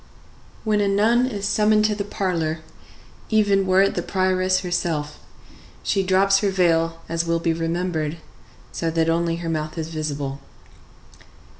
When a nun is summoned to the parlor, even were it the prioress herself, she drops her veil, as will be remembered, so that only her mouth is visible.